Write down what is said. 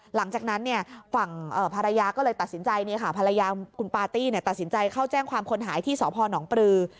หลังจากนั้นฝั่งภรรยาก็เลยตัดสินใจภรรยาคุณปาร์ตี้ตัดสินใจเข้าแจ้งความคนหายที่สพนปลือ